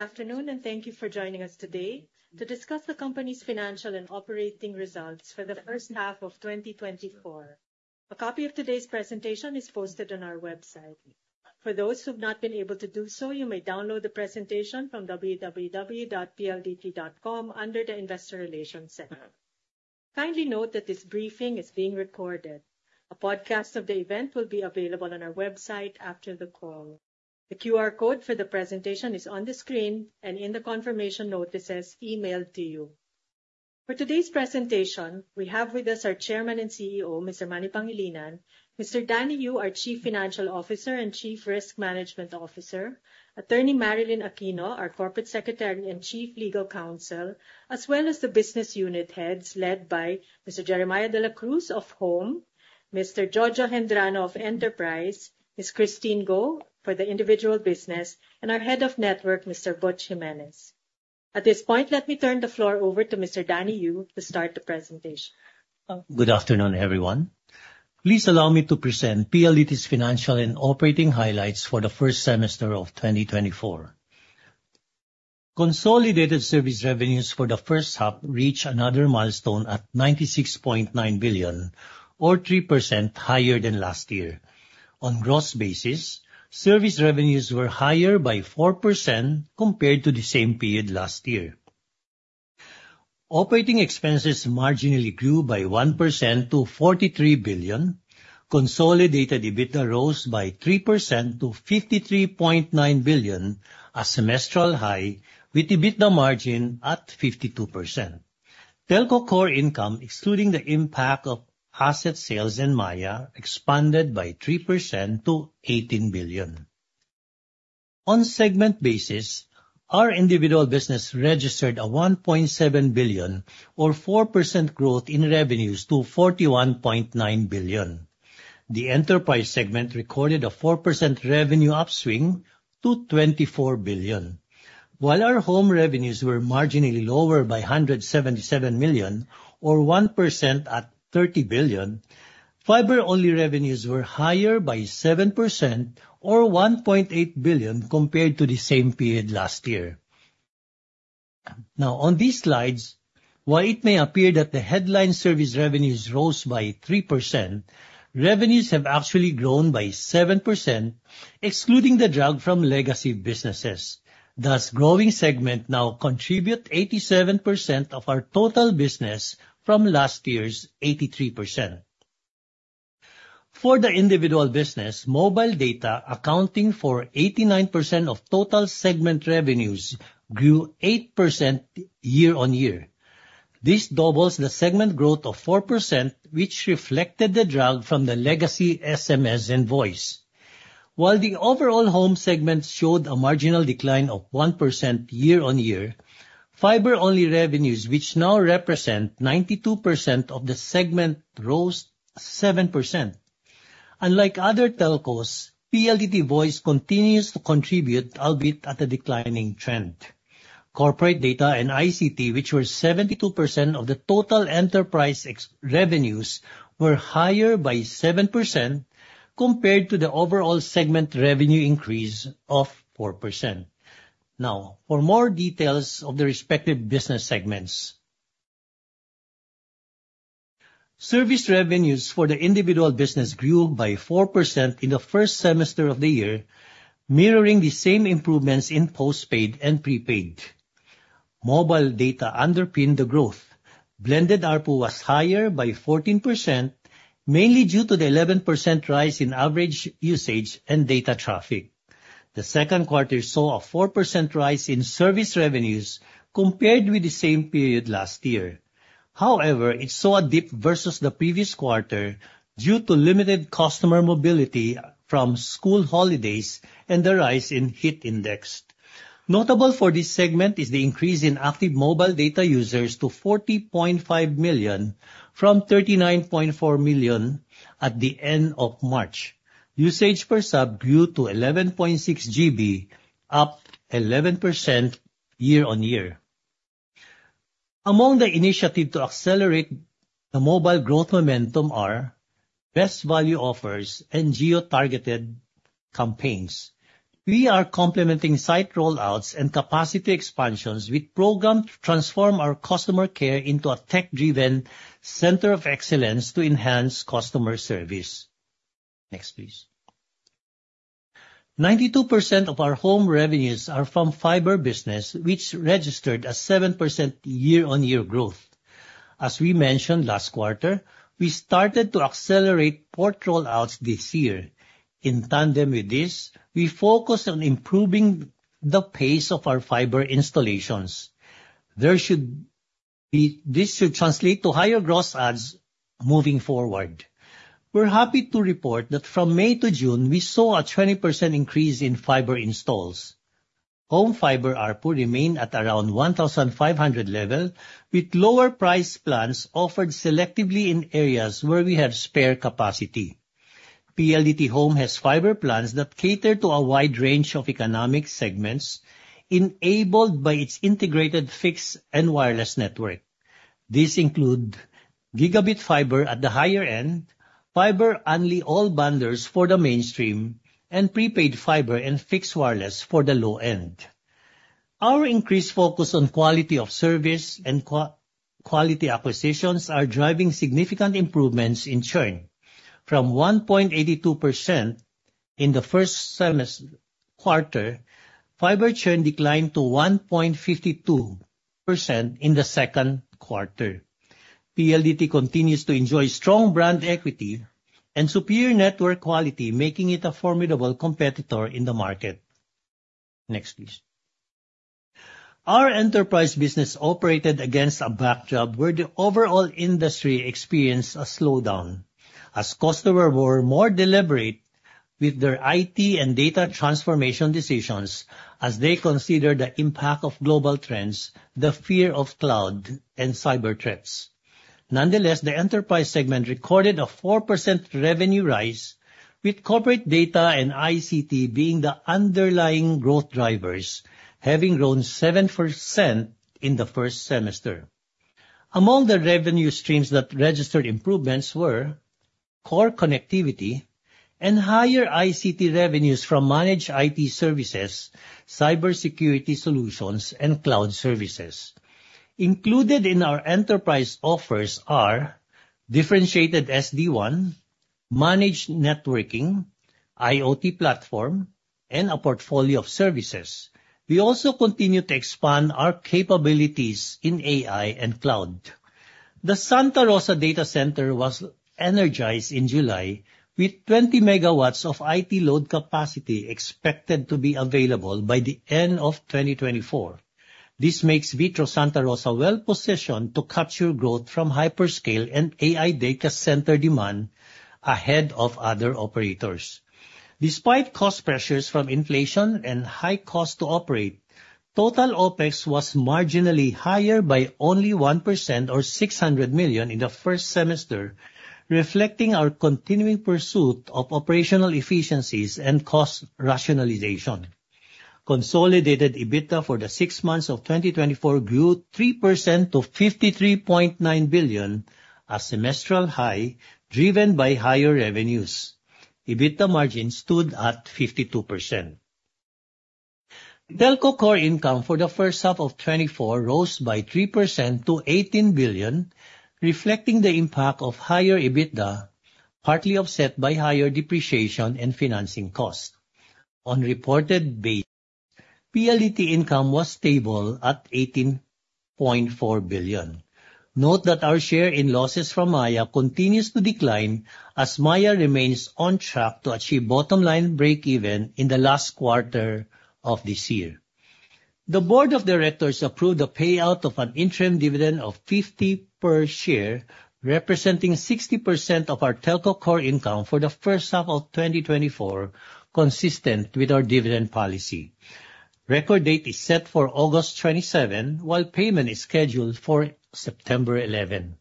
Good afternoon, and thank you for joining us today to discuss the company's financial and operating results for the H1 of 2024. A copy of today's presentation is posted on our website. For those who've not been able to do so, you may download the presentation from www.pldt.com under the Investor Relations Center. Kindly note that this briefing is being recorded. A podcast of the event will be available on our website after the call. The QR code for the presentation is on the screen and in the confirmation notices emailed to you. For today's presentation, we have with us our Chairman and CEO, Mr. Manny Pangilinan, Mr. Danny Yu, our Chief Financial Officer and Chief Risk Management Officer, Attorney Marilyn Victorino-Aquino, our Corporate Secretary and Chief Legal Counsel, as well as the business unit heads, led by Mr. Jeremiah de la Cruz of Home, Mr. Jojo Gendrano of Enterprise, Ms. Cristine Go for the Individual Business, and our Head of Network, Mr. Butch Jimenez. At this point, let me turn the floor over to Mr. Danny Yu to start the presentation. Thank you. Good afternoon, everyone. Please allow me to present PLDT's financial and operating highlights for the first semester of 2024. Consolidated service revenues for the H1 reached another milestone at 96.9 billion or 3% higher than last year. On gross basis, service revenues were higher by 4% compared to the same period last year. Operating expenses marginally grew by 1% to 43 billion. Consolidated EBITDA rose by 3% to 53.9 billion, a semestral high, with EBITDA margin at 52%. Telco Core Income, excluding the impact of asset sales in Maya, expanded by 3% to 18 billion. On segment basis, our Individual Business registered a 1.7 billion or 4% growth in revenues to 41.9 billion. The Enterprise segment recorded a 4% revenue upswing to 24 billion. While our Home revenues were marginally lower by 177 million or 1% at 30 billion, fiber-only revenues were higher by 7% or 1.8 billion compared to the same period last year. Now, on these slides, while it may appear that the headline service revenues rose by 3%, revenues have actually grown by 7%, excluding the drag from legacy businesses. Thus, growing segment now contribute 87% of our total business from last year's 83%. For the Individual Business, mobile data, accounting for 89% of total segment revenues, grew 8% year-on-year. This doubles the segment growth of 4%, which reflected the drag from the legacy SMS and voice. While the overall home segment showed a marginal decline of 1% year-on-year, fiber-only revenues, which now represent 92% of the segment, rose 7%. Unlike other telcos, PLDT Voice continues to contribute, albeit at a declining trend. Corporate data and ICT, which were 72% of the total enterprise ex-legacy revenues, were higher by 7% compared to the overall segment revenue increase of 4%. Now, for more details of the respective business segments. Service revenues for the Individual Business grew by 4% in the first semester of the year, mirroring the same improvements in postpaid and prepaid. Mobile data underpinned the growth. Blended ARPU was higher by 14%, mainly due to the 11% rise in average usage and data traffic. The Q2 saw a 4% rise in service revenues compared with the same period last year. However, it saw a dip versus the previous quarter due to limited customer mobility from school holidays and the rise in heat index. Notable for this segment is the increase in active mobile data users to 40.5 million from 39.4 million at the end of March. Usage per sub grew to 11.6 GB, up 11% year-on-year. Among the initiatives to accelerate the mobile growth momentum are best value offers and geo-targeted campaigns. We are complementing site rollouts and capacity expansions with programs to transform our customer care into a tech-driven center of excellence to enhance customer service. Next, please. 92% of our Home revenues are from fiber business, which registered a 7% year-on-year growth. As we mentioned last quarter, we started to accelerate port rollouts this year. In tandem with this, we focused on improving the pace of our fiber installations. This should translate to higher gross adds moving forward. We're happy to report that from May to June, we saw a 20% increase in fiber installs. Home fiber ARPU remained at around 1,500 level, with lower priced plans offered selectively in areas where we have spare capacity. PLDT Home has fiber plans that cater to a wide range of economic segments, enabled by its integrated fixed and wireless network. These include Gigabit Fiber at the higher end, Fiber Unli All bundles for the mainstream, and Prepaid Fiber and fixed wireless for the low end. Our increased focus on quality of service and quality acquisitions are driving significant improvements in churn. From 1.82% in the Q1, fiber churn declined to 1.52% in the Q2. PLDT continues to enjoy strong brand equity and superior network quality, making it a formidable competitor in the market. Next, please. Our enterprise business operated against a backdrop where the overall industry experienced a slowdown, as customers were more deliberate with their IT and data transformation decisions as they consider the impact of global trends, the fear of cloud, and cyber threats. Nonetheless, the Enterprise segment recorded a 4% revenue rise, with corporate data and ICT being the underlying growth drivers, having grown 7% in the first semester. Among the revenue streams that registered improvements were core connectivity and higher ICT revenues from managed IT services, cybersecurity solutions, and cloud services. Included in our enterprise offers are differentiated SD-WAN, managed networking, IoT platform, and a portfolio of services. We also continue to expand our capabilities in AI and cloud. The Santa Rosa Data Center was energized in July, with 20 megawatts of IT load capacity expected to be available by the end of 2024. This makes VITRO Santa Rosa well-positioned to capture growth from hyperscale and AI data center demand ahead of other operators. Despite cost pressures from inflation and high cost to operate, total OpEx was marginally higher by only 1% or 600 million in the first semester, reflecting our continuing pursuit of operational efficiencies and cost rationalization. Consolidated EBITDA for the six months of 2024 grew 3% to 53.9 billion, a semestral high, driven by higher revenues. EBITDA margin stood at 52%. Telco Core Income for the H1 of 2024 rose by 3% to 18 billion, reflecting the impact of higher EBITDA, partly offset by higher depreciation and financing costs. On reported base, PLDT income was stable at 18.4 billion. Note that our share in losses from Maya continues to decline, as Maya remains on track to achieve bottom-line breakeven in the last quarter of this year. The Board of Directors approved a payout of an interim dividend of 50 per share, representing 60% of our Telco Core Income for the H1 of 2024, consistent with our dividend policy. Record date is set for August 27, while payment is scheduled for September 11.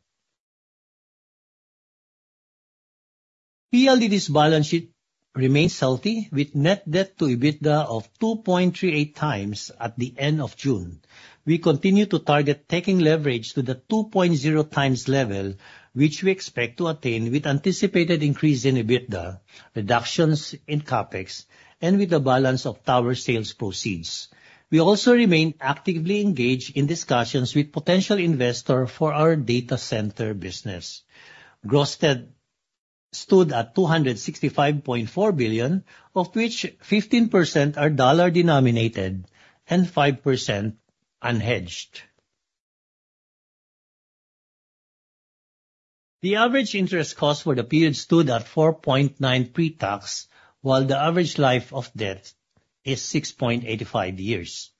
PLDT's balance sheet remains healthy, with net debt to EBITDA of 2.38 times at the end of June. We continue to target taking leverage to the 2.0 times level, which we expect to attain with anticipated increase in EBITDA, reductions in CapEx, and with the balance of tower sales proceeds. We also remain actively engaged in discussions with potential investor for our data center business. Gross debt stood at 265.4 billion, of which 15% are dollar-denominated and 5% unhedged. The average interest cost for the period stood at 4.9% pre-tax, while the average life of debt is 6.85 years.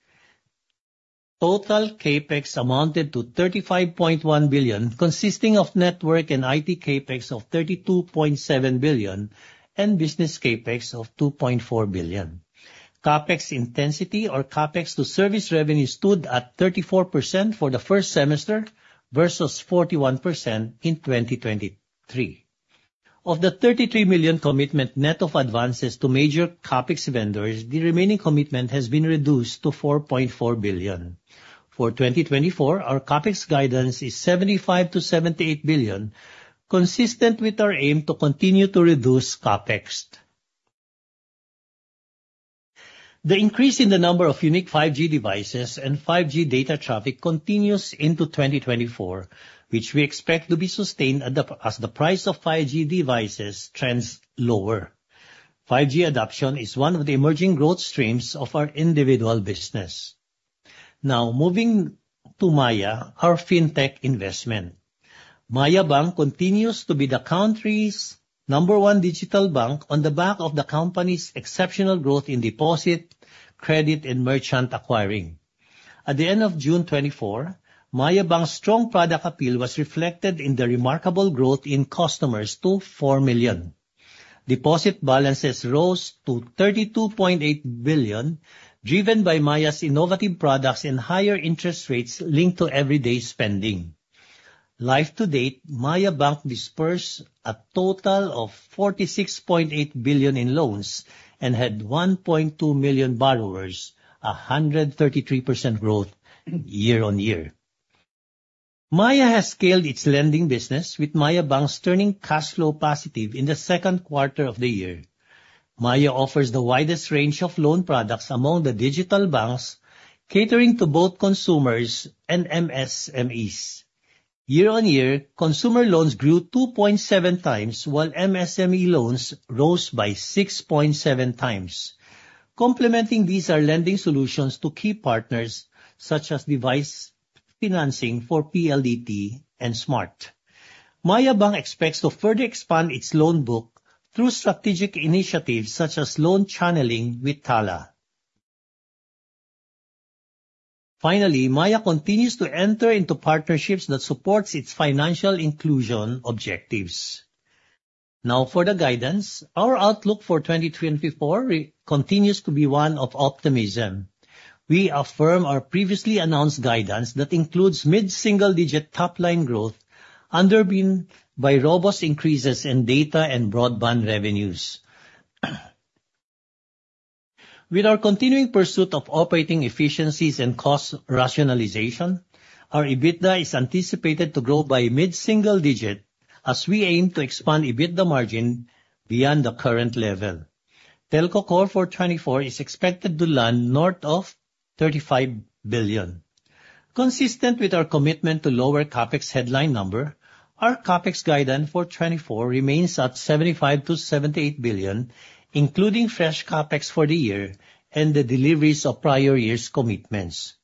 Total CapEx amounted to 35.1 billion, consisting of network and IT CapEx of 32.7 billion and business CapEx of 2.4 billion. CapEx intensity or CapEx to service revenue stood at 34% for the first semester versus 41% in 2023. Of the 33 million commitment net of advances to major CapEx vendors, the remaining commitment has been reduced to 4.4 billion. For 2024, our CapEx guidance is 75 billion-78 billion, consistent with our aim to continue to reduce CapEx. The increase in the number of unique 5G devices and 5G data traffic continues into 2024, which we expect to be sustained as the price of 5G devices trends lower. 5G adoption is one of the emerging growth streams of our Individual Business. Now, moving to Maya, our fintech investment. Maya Bank continues to be the country's number one digital bank on the back of the company's exceptional growth in deposit, credit, and merchant acquiring. At the end of June 2024, Maya Bank's strong product appeal was reflected in the remarkable growth in customers to 4 million. Deposit balances rose to 32.8 billion, driven by Maya's innovative products and higher interest rates linked to everyday spending. Year to date, Maya Bank dispersed a total of 46.8 billion in loans and had 1.2 million borrowers, 133% growth year-on-year. Maya has scaled its lending business, with Maya Bank turning cash flow positive in the Q2 of the year. Maya offers the widest range of loan products among the digital banks, catering to both consumers and MSMEs. Year-on-year, consumer loans grew 2.7 times, while MSME loans rose by 6.7 times. Complementing these are lending solutions to key partners, such as device financing for PLDT and Smart. Maya Bank expects to further expand its loan book through strategic initiatives such as loan channeling with Tala. Finally, Maya continues to enter into partnerships that supports its financial inclusion objectives. Now, for the guidance. Our outlook for 2024 continues to be one of optimism. We affirm our previously announced guidance that includes mid-single digit top line growth, underpinned by robust increases in data and broadband revenues. With our continuing pursuit of operating efficiencies and cost rationalization, our EBITDA is anticipated to grow by mid-single digit as we aim to expand EBITDA margin beyond the current level. Telco Core for 2024 is expected to land north of 35 billion. Consistent with our commitment to lower CapEx headline number, our CapEx guidance for 2024 remains at 75 billion-78 billion, including fresh CapEx for the year and the deliveries of prior years' commitments.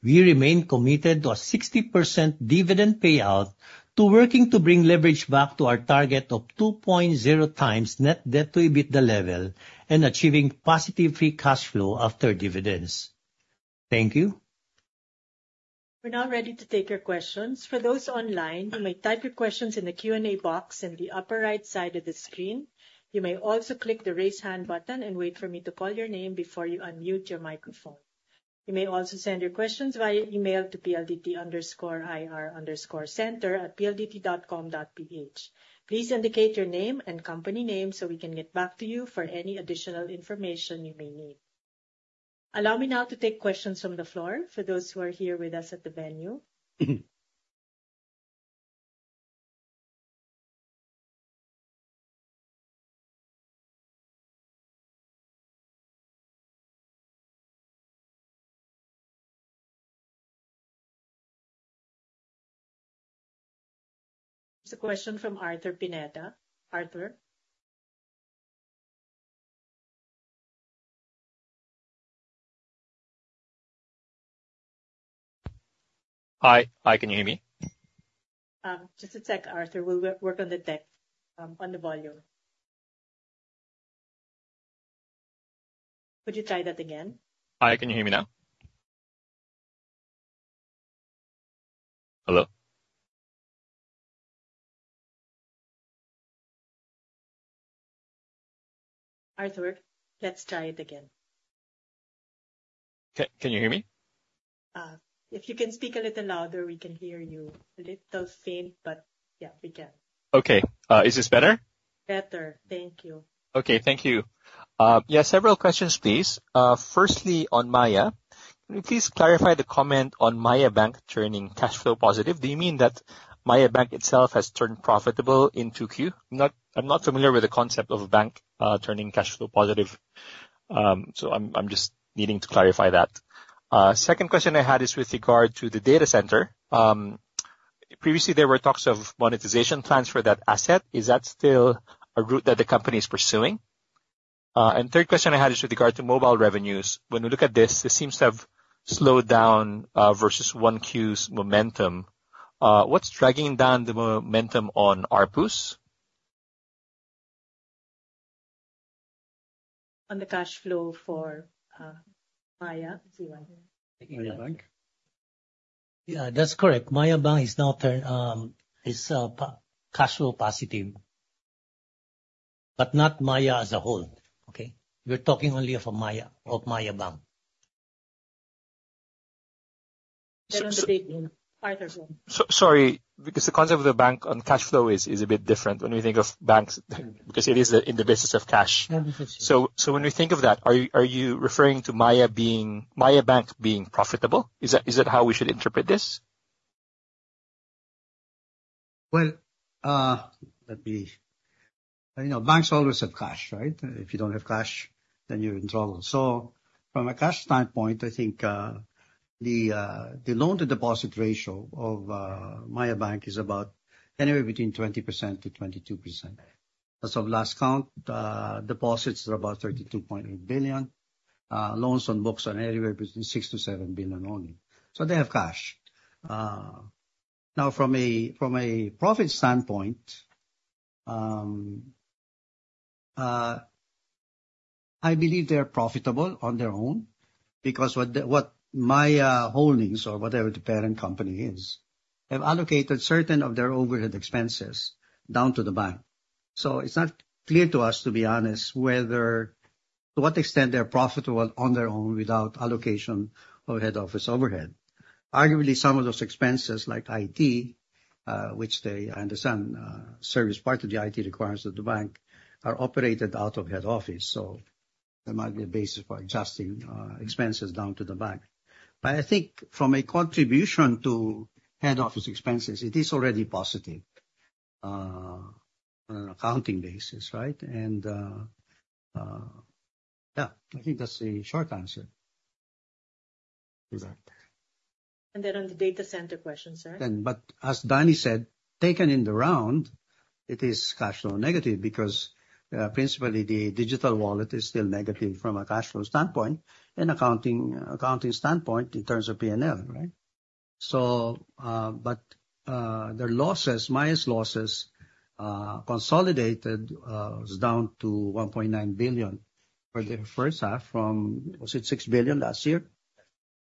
We remain committed to a 60% dividend payout, to working to bring leverage back to our target of 2.0x net debt to EBITDA level, and achieving positive free cash flow after dividends. Thank you. We're now ready to take your questions. For those online, you may type your questions in the Q&A box in the upper right side of the screen. You may also click the Raise Hand button and wait for me to call your name before you unmute your microphone. You may also send your questions via email to pldt_ir_center@pldt.com.ph. Please indicate your name and company name so we can get back to you for any additional information you may need. Allow me now to take questions from the floor for those who are here with us at the venue. There's a question from Arthur Pineda. Arthur? Hi. Hi, can you hear me? Just a sec, Arthur. We'll work, work on the tech, on the volume. Could you try that again? Hi, can you hear me now? Hello? Arthur, let's try it again. Can you hear me? If you can speak a little louder, we can hear you. A little faint, but yeah, we can. Okay. Is this better? Better. Thank you. Okay, thank you. Yeah, several questions, please. Firstly, on Maya, can you please clarify the comment on Maya Bank turning cash flow positive? Do you mean that Maya Bank itself has turned profitable in Q2? I'm not familiar with the concept of a bank turning cash flow positive. So I'm just needing to clarify that. Second question I had is with regard to the data center. Previously, there were talks of monetization plans for that asset. Is that still a route that the company is pursuing? And third question I had is with regard to mobile revenues. When we look at this, this seems to have slowed down versus 1Q's momentum. What's dragging down the momentum on ARPUs? On the cash flow for Maya. Maya Bank? Yeah, that's correct. Maya Bank is now cash flow positive, but not Maya as a whole, okay? We're talking only of Maya, of Maya Bank. Sorry, because the concept of the bank on cash flow is a bit different when we think of banks, because it is in the business of cash. So, when we think of that, are you referring to Maya being, Maya Bank being profitable? Is that how we should interpret this? Well, you know, banks always have cash, right? If you don't have cash, then you're in trouble. So from a cash standpoint, I think, the loan-to-deposit ratio of Maya Bank is about anywhere between 20%-22%. As of last count, deposits are about 32.8 billion. Loans on books are anywhere between 6-7 billion only. So they have cash. Now, from a profit standpoint, I believe they are profitable on their own, because what Maya Holdings or whatever the parent company is have allocated certain of their overhead expenses down to the bank. So it's not clear to us, to be honest, whether, to what extent they're profitable on their own without allocation of head office overhead. Arguably, some of those expenses, like IT, which they understand, service part of the IT requirements of the bank, are operated out of head office. So there might be a basis for adjusting, expenses down to the back. But I think from a contribution to head office expenses, it is already positive, on an accounting basis, right? And, yeah, I think that's the short answer. And then on the data center question, sir? But as Danny said, taken in the round, it is cash flow negative because, principally the digital wallet is still negative from a cash flow standpoint and accounting, accounting standpoint in terms of P&L, right? So, but, their losses, minus losses, consolidated, is down to 1.9 billion for the H1 from was it 6 billion last year?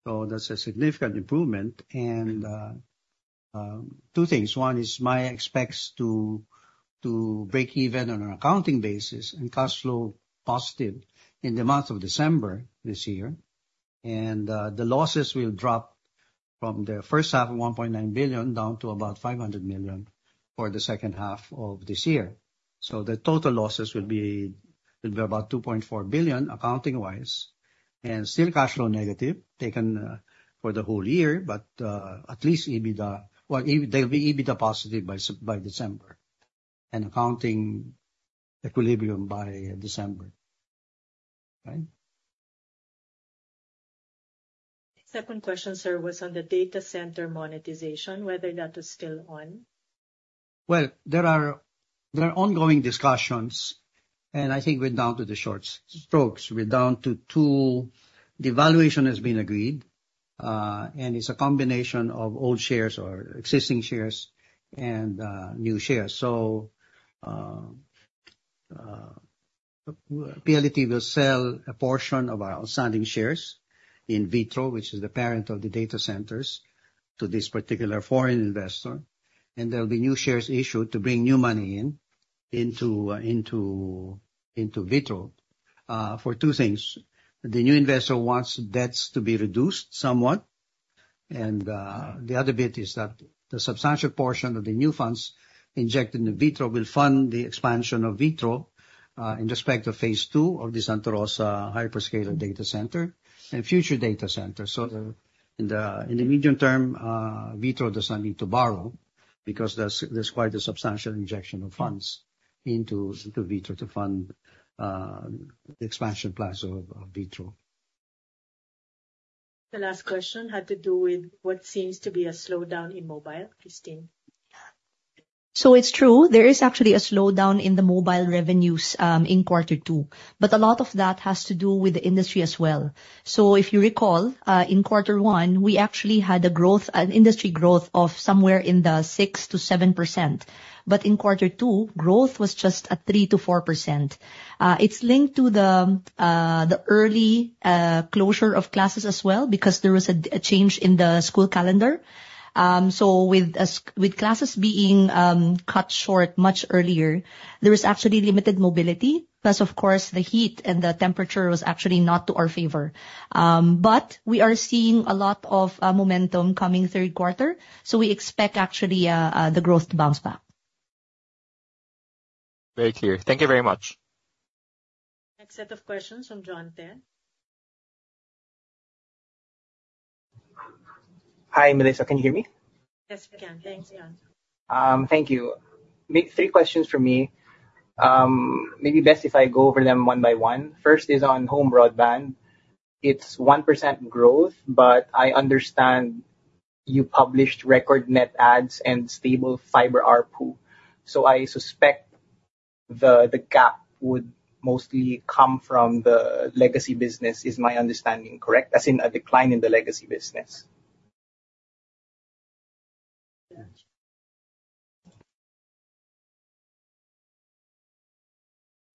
So that's a significant improvement. And, two things. One is Maya expects to break even on an accounting basis and cash flow positive in the month of December this year. And, the losses will drop from the H1, 1.9 billion, down to about 500 million for the H2 of this year. So the total losses will be about 2.4 billion, accounting-wise, and still cash flow negative, taken for the whole year. But at least EBITDA, well, they'll be EBITDA positive by December, and accounting equilibrium by December. Right? Second question, sir, was on the data center monetization, whether that is still on? Well, there are ongoing discussions, and I think we're down to the short strokes. We're down to two. The valuation has been agreed, and it's a combination of old shares or existing shares and new shares. So, PLDT will sell a portion of our outstanding shares in VITRO, which is the parent of the data centers, to this particular foreign investor. And there will be new shares issued to bring new money into VITRO for two things: The new investor wants debts to be reduced somewhat, and the other bit is that the substantial portion of the new funds injected into VITRO will fund the expansion of VITRO in respect of phase two of the Santa Rosa hyperscale data center and future data centers. So in the medium term, VITRO does not need to borrow because there's quite a substantial injection of funds into VITRO to fund the expansion plans of VITRO. The last question had to do with what seems to be a slowdown in mobile. Cristine? So it's true, there is actually a slowdown in the mobile revenues in quarter two, but a lot of that has to do with the industry as well. So if you recall, in quarter one, we actually had a growth, an industry growth of somewhere in the 6%-7%. But in quarter two, growth was just at 3%-4%. It's linked to the early closure of classes as well, because there was a change in the school calendar. So with classes being cut short much earlier, there is actually limited mobility, plus of course, the heat and the temperature was actually not to our favor. But we are seeing a lot of momentum coming Q3, so we expect actually the growth to bounce back. Very clear. Thank you very much. Next set of questions from John Te. Hi, Melissa, can you hear me? Yes, we can. Thanks, John. Thank you. My three questions from me. Maybe best if I go over them one by one. First is on home broadband. It's 1% growth, but I understand you published record net adds and stable fiber ARPU. So I suspect the gap would mostly come from the legacy business. Is my understanding correct? As in a decline in the legacy business.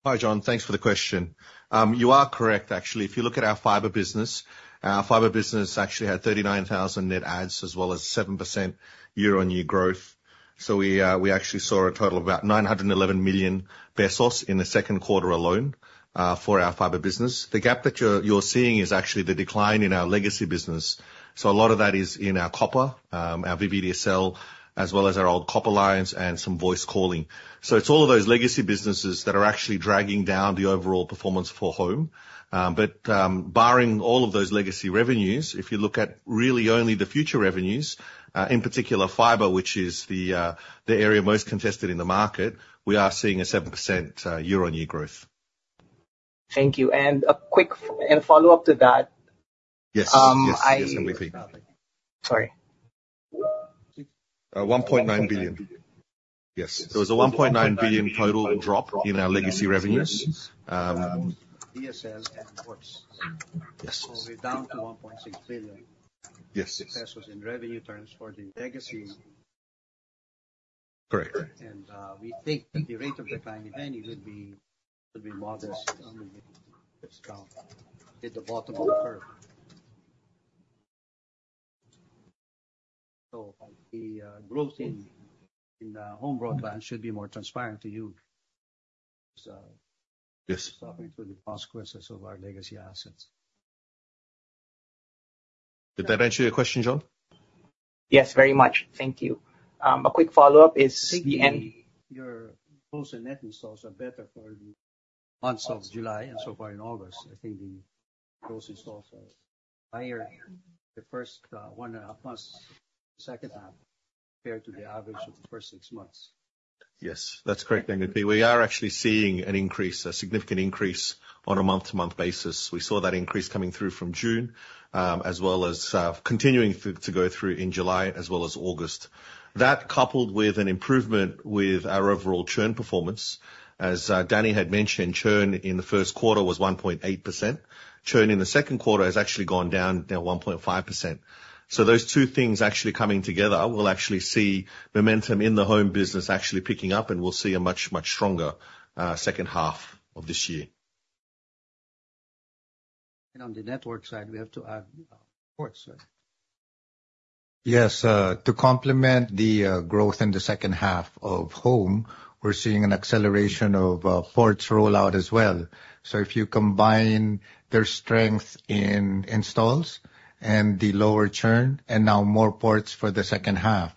Hi, John. Thanks for the question. You are correct, actually. If you look at our fiber business, our fiber business actually had 39,000 net adds, as well as 7% year-on-year growth. So we, we actually saw a total of about 911 million pesos in the Q2 alone, for our fiber business. The gap that you're, you're seeing is actually the decline in our legacy business. So a lot of that is in our copper, our VDSL, as well as our old copper lines and some voice calling. So it's all of those legacy businesses that are actually dragging down the overall performance for home. Barring all of those legacy revenues, if you look at really only the future revenues, in particular, fiber, which is the area most contested in the market, we are seeing a 7% year-on-year growth. Thank you. And a quick follow-up to that. Yes, yes. Sorry. 1.9 billion. Yes. There was a 1.9 billion total drop in our legacy revenues. DSL and voice. Yes. We're down to 1.6 billion. Yes. Success was in revenue terms for the legacy. Correct. And, we think that the rate of decline, if any, would be modest, it's down at the bottom of the curve. So the growth in the home broadband should be more transparent to you, so talking through the consequences of our legacy assets. Did that answer your question, John? Yes, very much. Thank you. A quick follow-up is the- I think your gross and net installs are better for the months of July and so far in August. I think the gross installs are higher the first, one and a half months, H2, compared to the average of the first six months. Yes, that's correct, Danny. We are actually seeing an increase, a significant increase on a month-to-month basis. We saw that increase coming through from June, as well as continuing to go through in July as well as August. That, coupled with an improvement with our overall churn performance. As Danny had mentioned, churn in the Q1 was 1.8%. Churn in the Q2 has actually gone down, now 1.5%. So those two things actually coming together will actually see momentum in the Home business actually picking up, and we'll see a much, much stronger H2 of this year. On the network side, we have to add ports, right? Yes, to complement the growth in the H2 of Home, we're seeing an acceleration of ports rollout as well. So if you combine their strength in installs and the lower churn, and now more ports for the H2,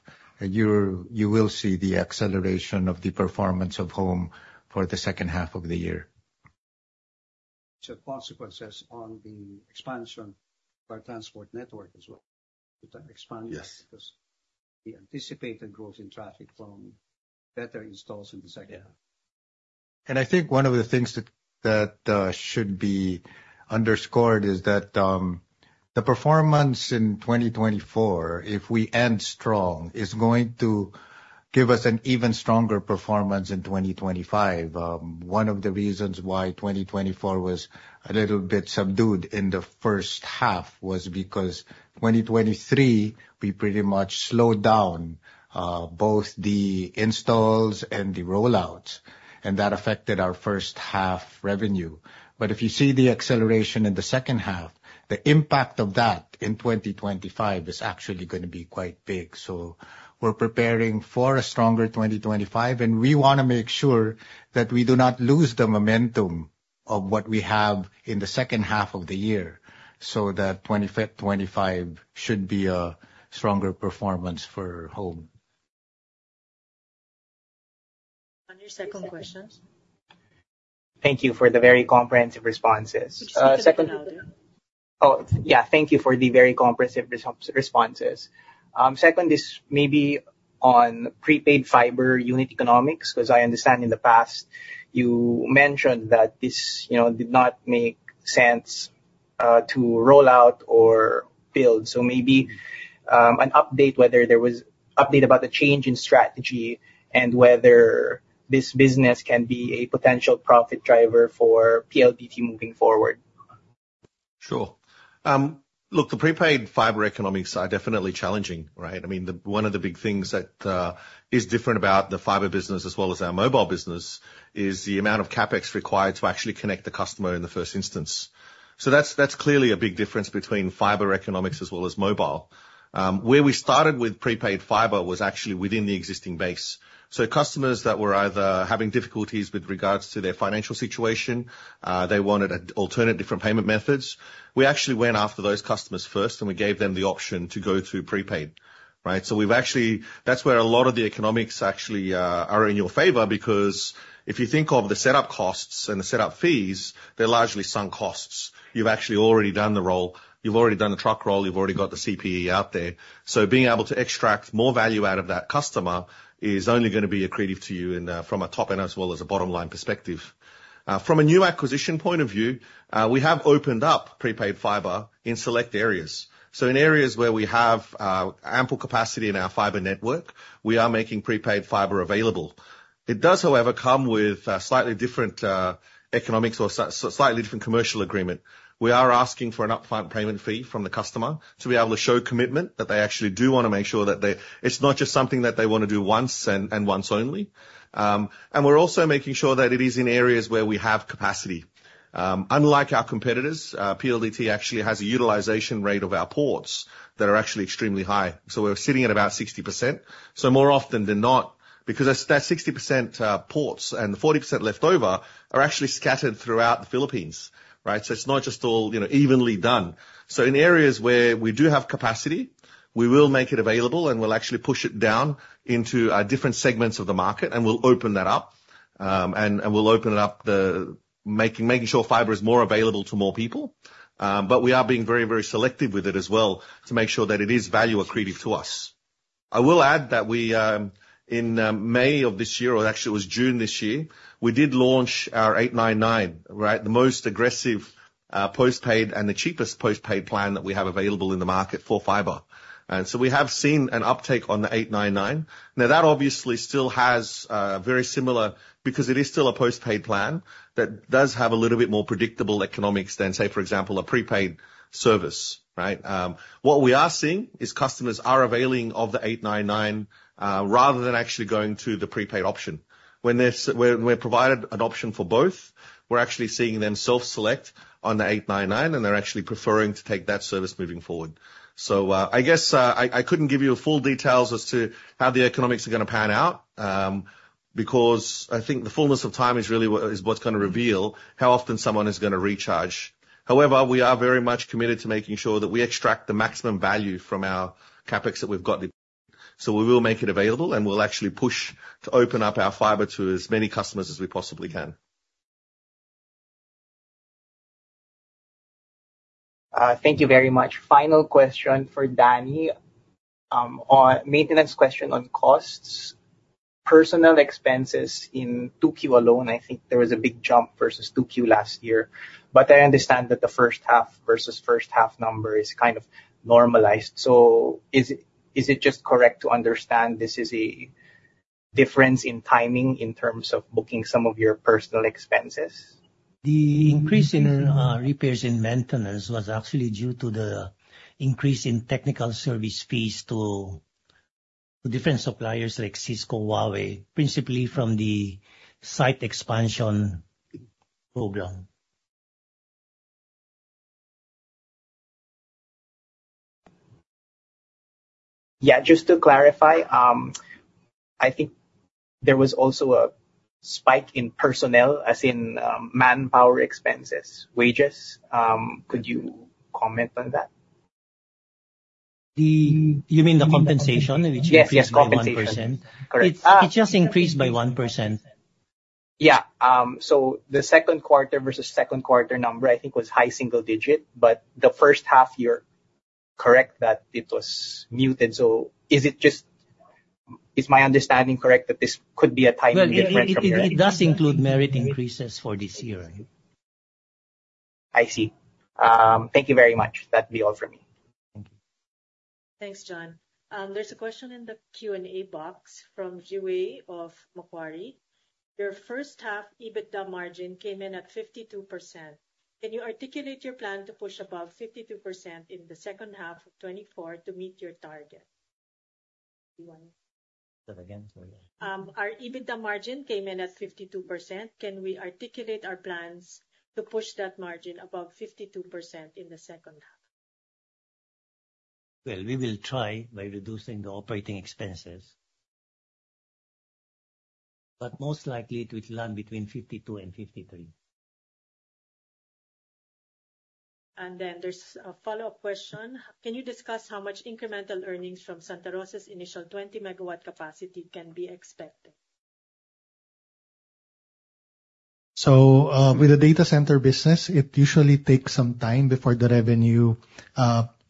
you will see the acceleration of the performance of Home for the H2 of the year. So consequences on the expansion of our transport network as well. With that expansion. Yes. Because we anticipate the growth in traffic from better installs in the H2. Yeah. I think one of the things that should be underscored is that the performance in 2024, if we end strong, is going to give us an even stronger performance in 2025. One of the reasons why 2024 was a little bit subdued in the H1 was because 2023, we pretty much slowed down both the installs and the rollouts, and that affected our H1 revenue. But if you see the acceleration in the H2, the impact of that in 2025 is actually gonna be quite big. So we're preparing for a stronger 2025, and we wanna make sure that we do not lose the momentum of what we have in the H2 of the year. So that 2025 should be a stronger performance for Home. Any second questions? Thank you for the very comprehensive responses. Second is maybe on prepaid fiber unit economics, because I understand in the past you mentioned that this, you know, did not make sense to roll out or build. So maybe an update, whether there was an update about the change in strategy, and whether this business can be a potential profit driver for PLDT moving forward. Sure. Look, the Prepaid Fiber economics are definitely challenging, right? I mean, one of the big things that is different about the fiber business as well as our mobile business is the amount of CapEx required to actually connect the customer in the first instance. So that's clearly a big difference between fiber economics as well as mobile. Where we started with Prepaid Fiber was actually within the existing base. So customers that were either having difficulties with regards to their financial situation, they wanted an alternative different payment methods. We actually went after those customers first, and we gave them the option to go to prepaid, right? So we've actually. That's where a lot of the economics actually are in your favor, because if you think of the setup costs and the setup fees, they're largely sunk costs. You've actually already done the roll. You've already done the truck roll. You've already got the CPE out there. So being able to extract more value out of that customer is only gonna be accretive to you in, from a top-end as well as a bottom-line perspective. From a new acquisition point of view, we have opened up prepaid fiber in select areas. So in areas where we have, ample capacity in our fiber network, we are making prepaid fiber available. It does, however, come with, slightly different, economics or slightly different commercial agreement. We are asking for an upfront payment fee from the customer to be able to show commitment, that they actually do wanna make sure that they. It's not just something that they wanna do once and, and once only. And we're also making sure that it is in areas where we have capacity. Unlike our competitors, PLDT actually has a utilization rate of our ports that are actually extremely high, so we're sitting at about 60%. So more often than not, because that 60%, ports and the 40% leftover are actually scattered throughout the Philippines, right? So it's not just all, you know, evenly done. So in areas where we do have capacity, we will make it available, and we'll actually push it down into different segments of the market, and we'll open that up. And we'll open it up, making sure fiber is more available to more people. But we are being very, very selective with it as well, to make sure that it is value accretive to us. I will add that we in May of this year, or actually it was June this year, we did launch our 899, right? The most aggressive postpaid and the cheapest postpaid plan that we have available in the market for fiber. And so we have seen an uptake on the 899. Now, that obviously still has very similar, because it is still a postpaid plan, that does have a little bit more predictable economics than, say, for example, a prepaid service, right? What we are seeing is customers are availing of the 899 rather than actually going to the prepaid option. When there's, when we're provided an option for both, we're actually seeing them self-select on the 899, and they're actually preferring to take that service moving forward. So, I guess I couldn't give you full details as to how the economics are gonna pan out, because I think the fullness of time is really what's gonna reveal how often someone is gonna recharge. However, we are very much committed to making sure that we extract the maximum value from our CapEx that we've got. So we will make it available, and we'll actually push to open up our fiber to as many customers as we possibly can. Thank you very much. Final question for Danny, on maintenance question on costs. Personnel expenses in 2Q alone, I think there was a big jump versus 2Q last year. But I understand that the H1 versus H1 number is kind of normalized. So is it just correct to understand this is a difference in timing in terms of booking some of your personnel expenses? The increase in repairs and maintenance was actually due to the increase in technical service fees to different suppliers like Cisco, Huawei, principally from the site expansion program. Yeah, just to clarify, I think there was also a spike in personnel, as in, manpower expenses, wages. Could you comment on that? You mean the compensation, which increased by 1%? Yes, yes, compensation. Correct. It just increased by 1%. Yeah. So the Q2 versus Q2 number, I think, was high single digit, but the H1 year, correct, that it was muted. So is it just, Is my understanding correct, that this could be a timing difference from your end? Well, it does include merit increases for this year. I see. Thank you very much. That'd be all for me. Thank you. Thanks, John. There's a question in the Q&A box from Jiawei of Macquarie. Your H1 EBITDA margin came in at 52%. Can you articulate your plan to push above 52% in the H2 of 2024 to meet your target? Say that again, sorry. Our EBITDA margin came in at 52%. Can we articulate our plans to push that margin above 52% in the H2? Well, we will try by reducing the operating expenses. But most likely, it will land between 52 and 53. And then there's a follow-up question: Can you discuss how much incremental earnings from Santa Rosa's initial 20-MW capacity can be expected? So, with the data center business, it usually takes some time before the revenue,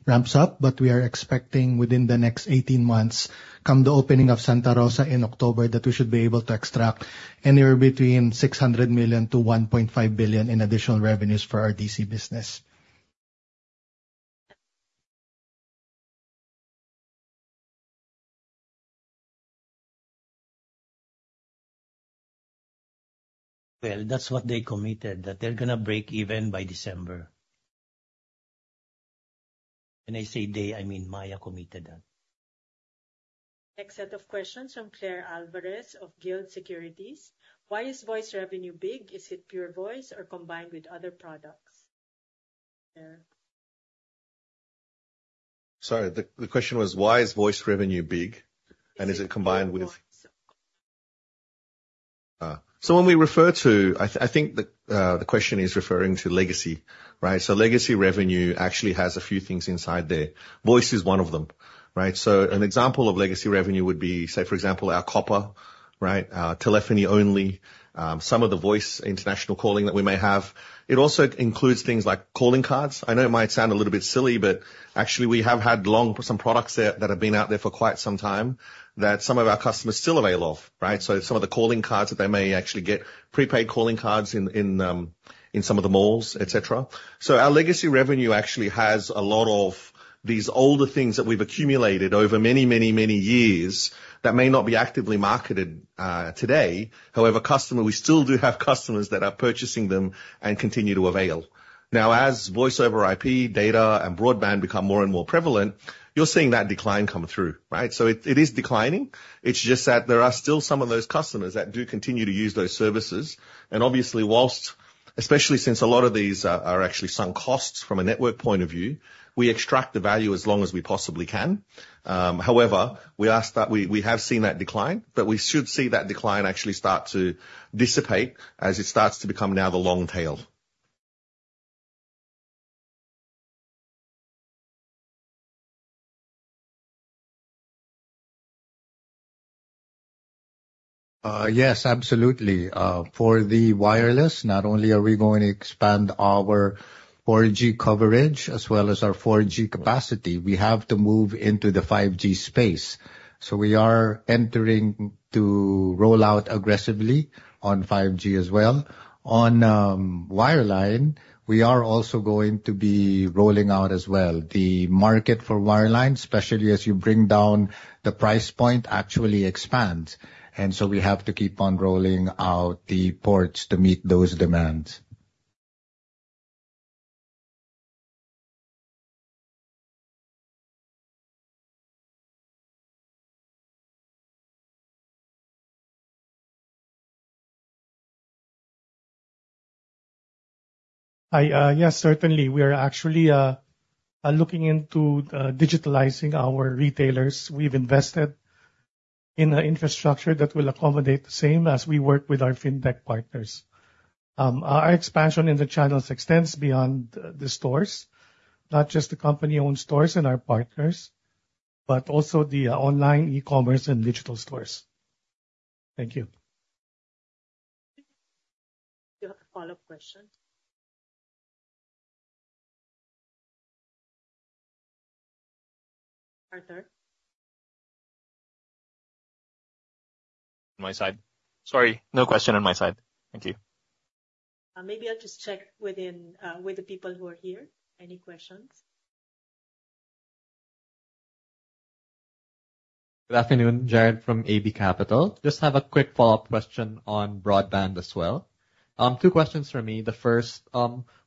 ramps up, but we are expecting within the next 18 months, come the opening of Santa Rosa in October, that we should be able to extract anywhere between 600 million-1.5 billion in additional revenues for our DC business. Well, that's what they committed, that they're gonna break even by December. When I say they, I mean Maya committed that. Next set of questions from Claire Alvarez of Guild Securities. Why is voice revenue big? Is it pure voice or combined with other products? Sorry, the question was, why is voice revenue big, and is it combined with? Voice. So when we refer to- I think the question is referring to legacy, right? So legacy revenue actually has a few things inside there. Voice is one of them, right? So an example of legacy revenue would be, say, for example, our copper, right? Telephony only, some of the voice international calling that we may have. It also includes things like calling cards. I know it might sound a little bit silly, but actually we have had long, some products there that have been out there for quite some time, that some of our customers still avail of, right? So some of the calling cards that they may actually get, prepaid calling cards in some of the malls, et cetera. So our legacy revenue actually has a lot of these older things that we've accumulated over many, many, many years that may not be actively marketed, today. However, we still do have customers that are purchasing them and continue to avail. Now, as voice over IP, data, and broadband become more and more prevalent, you're seeing that decline come through, right? So it is declining. It's just that there are still some of those customers that do continue to use those services, and obviously, while, especially since a lot of these are actually sunk costs from a network point of view, we extract the value as long as we possibly can. However, we have seen that decline, but we should see that decline actually start to dissipate as it starts to become now the long tail. Yes, absolutely. For the wireless, not only are we going to expand our 4G coverage as well as our 4G capacity, we have to move into the 5G space. So we are entering to roll out aggressively on 5G as well. On wireline, we are also going to be rolling out as well. The market for wireline, especially as you bring down the price point, actually expands. And so we have to keep on rolling out the ports to meet those demands. Yes, certainly. We are actually looking into digitalizing our retailers. We've invested in an infrastructure that will accommodate the same as we work with our fintech partners. Our expansion in the channels extends beyond the stores, not just the company-owned stores and our partners, but also the online e-commerce and digital stores. Thank you. Do you have a follow-up question? Arthur? My side. Sorry, no question on my side. Thank you. Maybe I'll just check within with the people who are here. Any questions? Good afternoon, Jared from AB Capital. Just have a quick follow-up question on broadband as well. Two questions from me. The first,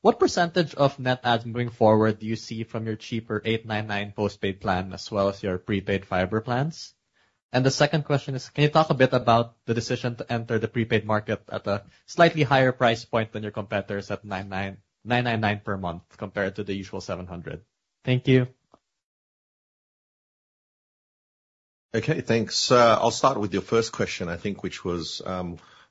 what percentage of net adds moving forward do you see from your cheaper 899 postpaid plan as well as your prepaid fiber plans? And the second question is, can you talk a bit about the decision to enter the prepaid market at a slightly higher price point than your competitors at 999 per month, compared to the usual 700? Thank you. Okay, thanks. I'll start with your first question, I think, which was,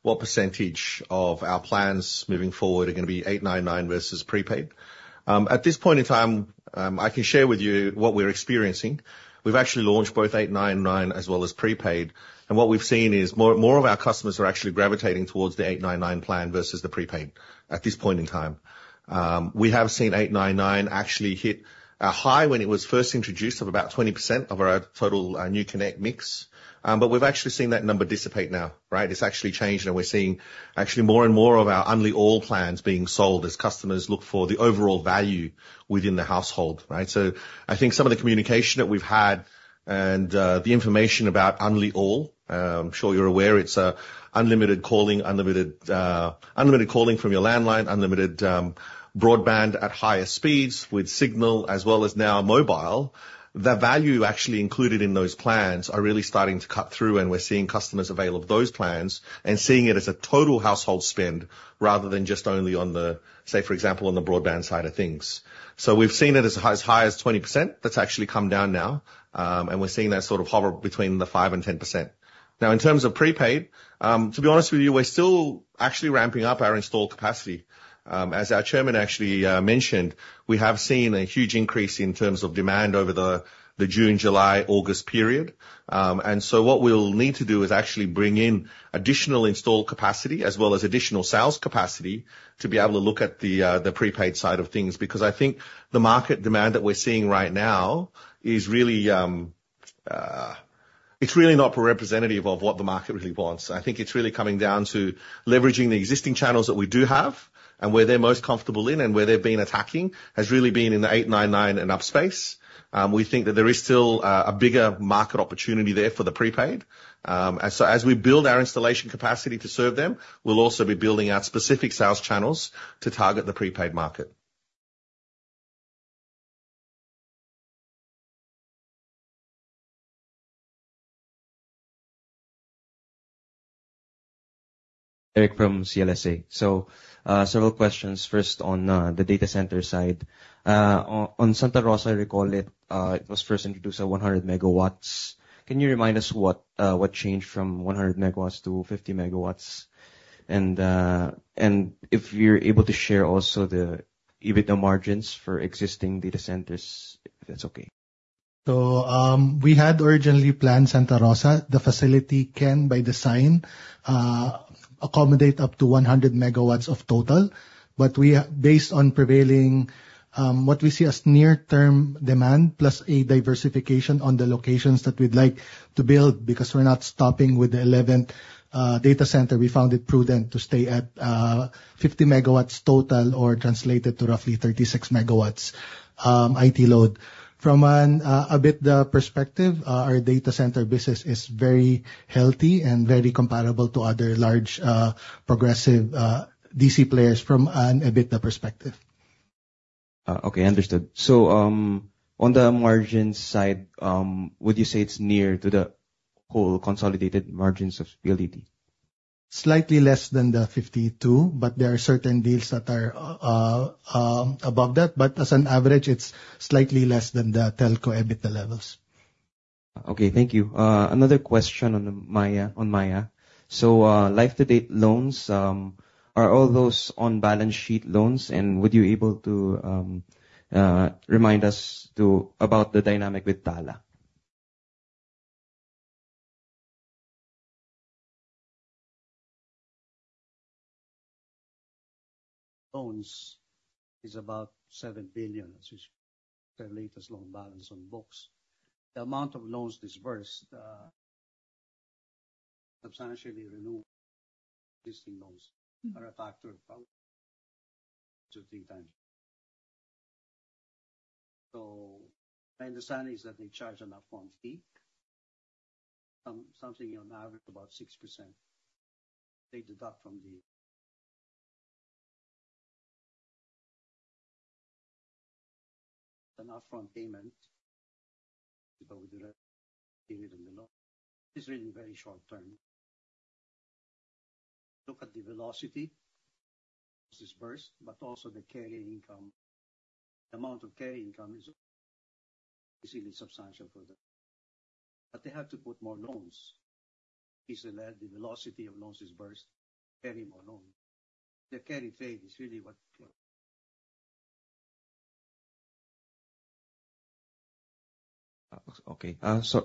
what percentage of our plans moving forward are gonna be 899 versus prepaid? At this point in time, I can share with you what we're experiencing. We've actually launched both 899 as well as prepaid, and what we've seen is more of our customers are actually gravitating towards the 899 plan versus the prepaid, at this point in time. We have seen 899 actually hit a high when it was first introduced, of about 20% of our total new connect mix. But we've actually seen that number dissipate now, right? It's actually changed, and we're seeing actually more and more of our Unli All plans being sold as customers look for the overall value within the household, right? So I think some of the communication that we've had and the information about Unli All, I'm sure you're aware, it's unlimited calling, unlimited calling from your landline, unlimited broadband at higher speeds with signal as well as now mobile. The value actually included in those plans are really starting to cut through, and we're seeing customers avail of those plans and seeing it as a total household spend, rather than just only on the, say, for example, on the broadband side of things. So we've seen it as high as 20%. That's actually come down now, and we're seeing that sort of hover between the 5% and 10%. Now, in terms of prepaid, to be honest with you, we're still actually ramping up our installed capacity. As our chairman actually mentioned, we have seen a huge increase in terms of demand over the June, July, August period. And so what we'll need to do is actually bring in additional installed capacity, as well as additional sales capacity, to be able to look at the prepaid side of things. Because I think the market demand that we're seeing right now is really, it's really not representative of what the market really wants. I think it's really coming down to leveraging the existing channels that we do have and where they're most comfortable in, and where they've been attacking, has really been in the 899 and up space. We think that there is still a bigger market opportunity there for the prepaid. And so as we build our installation capacity to serve them, we'll also be building out specific sales channels to target the prepaid market. Eric from CLSA. So, several questions. First, on the data center side. On Santa Rosa, I recall it, it was first introduced at 100 megawatts. Can you remind us what changed from 100 megawatts to 50 megawatts? And, and if you're able to share also the EBITDA margins for existing data centers, if that's okay. So, we had originally planned Santa Rosa. The facility can, by design, accommodate up to 100 megawatts of total. But based on prevailing, what we see as near-term demand, plus a diversification on the locations that we'd like to build, because we're not stopping with the 11th, data center. We found it prudent to stay at, 50 megawatts total or translated to roughly 36 megawatts, IT load. From an, EBITDA perspective, our data center business is very healthy and very comparable to other large, progressive, DC players from an EBITDA perspective. Okay, understood. So, on the margin side, would you say it's near to the whole consolidated margins of PLDT? Slightly less than the 52, but there are certain deals that are above that. But as an average, it's slightly less than the telco EBITDA levels. Okay, thank you. Another question on the Maya, on Maya. So, life-to-date loans, are all those on-balance sheet loans? And would you able to, remind us to, about the dynamic with Tala? Loans is about 7 billion, which the latest loan balance on books. The amount of loans disbursed substantially renew existing loans are a factor of about two, three times. So my understanding is that they charge an upfront fee, something on average about 6%. They deduct from the... An upfront payment, but we do not pay it in the loan. It's really very short term. Look at the velocity disbursed, but also the carrying income. The amount of carrying income is really substantial for them. But they have to put more loans. Is that the velocity of loans disbursed, carry more loan? The carry trade is really what- Okay.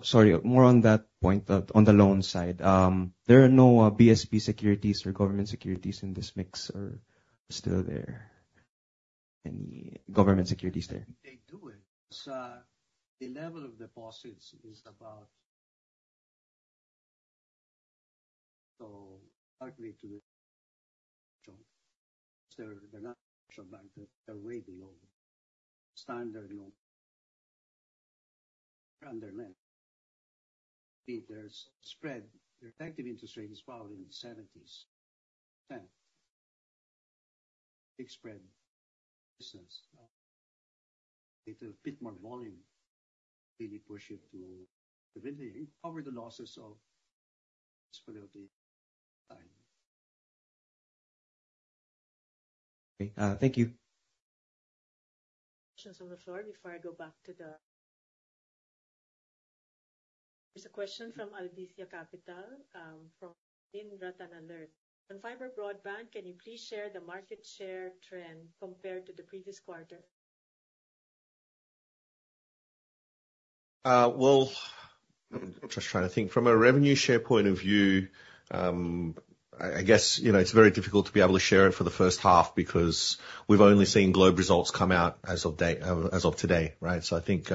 Sorry, more on that point, on the loan side. There are no BSP securities or government securities in this mix or still there, any government securities there? They do it. So the level of deposits is about, so partly to the, they're not commercial bank, they're way below standard, [garbled]. There's spread. The effective interest rate is probably in the 70s... Big spread business. It's a bit more volume, really push it to really cover the losses of PLDT. Okay. Thank you. Questions on the floor before I go back to the... There's a question from Albizia Capital, from Pasin Ratanalert. On fiber broadband, can you please share the market share trend compared to the previous quarter? Well, just trying to think. From a revenue share point of view, I guess, you know, it's very difficult to be able to share it for the H1 because we've only seen Globe results come out as of day, as of today, right? So I think,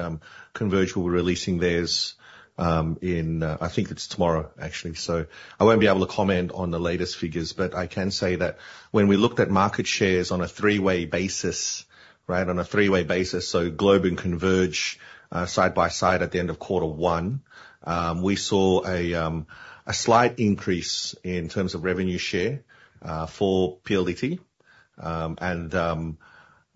Converge will be releasing theirs, in, I think it's tomorrow, actually. So I won't be able to comment on the latest figures, but I can say that when we looked at market shares on a three-way basis, right, on a three-way basis, so Globe and Converge, side by side at the end of quarter one, we saw a, a slight increase in terms of revenue share, for PLDT. And,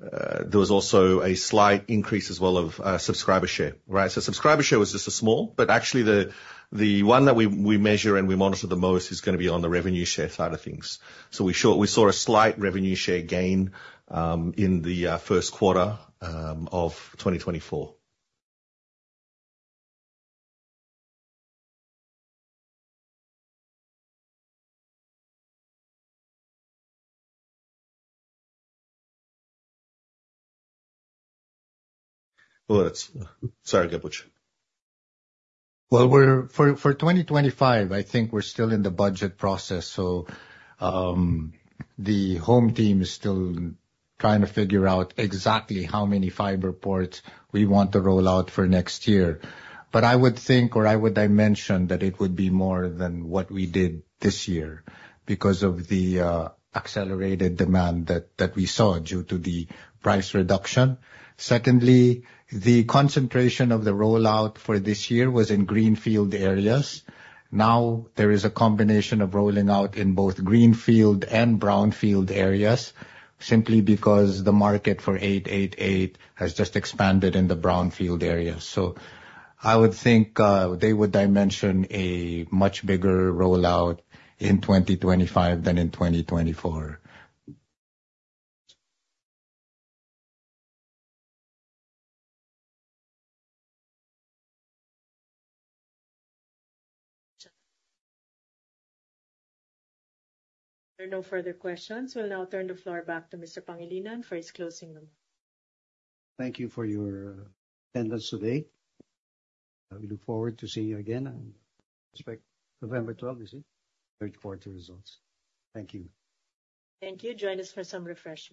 there was also a slight increase as well of, subscriber share, right? So subscriber share was just a small, but actually, the one that we measure and we monitor the most is gonna be on the revenue share side of things. So we saw a slight revenue share gain in the Q4 of 2024. Well, it's, Sorry, Butch. Well, we're for 2025, I think we're still in the budget process, so the home team is still trying to figure out exactly how many fiber ports we want to roll out for next year. But I would think, or I would dimension that it would be more than what we did this year, because of the accelerated demand that we saw due to the price reduction. Secondly, the concentration of the rollout for this year was in greenfield areas. Now, there is a combination of rolling out in both greenfield and brownfield areas, simply because the market for 888 has just expanded in the brownfield area. So I would think, they would dimension a much bigger rollout in 2025 than in 2024. There are no further questions. We'll now turn the floor back to Mr. Pangilinan for his closing remarks. Thank you for your attendance today. We look forward to seeing you again, and expect November twelve, you see, Q3 results. Thank you. Thank you. Join us for some refreshments.